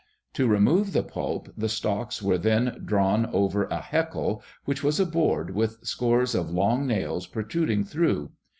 To remove the pulp the stalks were then drawn over a heckle, which was a board with scores of long nails protruding through.